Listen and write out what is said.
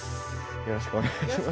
よろしくお願いします。